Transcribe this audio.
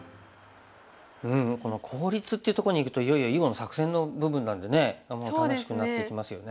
うんこの効率っていうとこにいくといよいよ囲碁の作戦の部分なんでねもう楽しくなってきますよね。